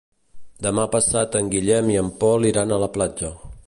Demà passat en Guillem i en Pol iran a la platja.